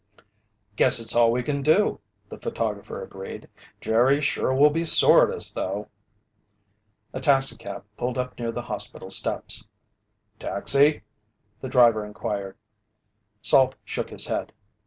"Guess it's all we can do," the photographer agreed. "Jerry sure will be sore at us though." A taxi cab pulled up near the hospital steps. "Taxi?" the driver inquired. Salt shook his head.